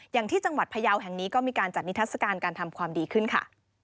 อย่างที่จังหวัดพยาวแห่งนี้ก็มีการจัดนิทัศกาลการทำความดีขึ้นค่ะ